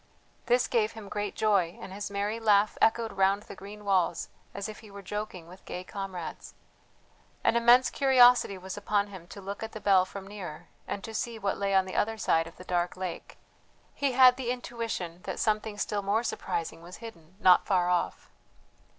This gave him great joy, and his merry laugh echoed round the green walls as if he were joking with gay comrades. An immense curiosity was upon him to look at the bell from near, and to see what lay on the other side of the dark lake. He had the intuition that something still more surprising was hidden not far off.